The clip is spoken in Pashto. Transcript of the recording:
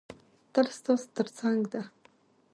تل ستاسو تر څنګ ده.